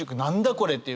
これっていう。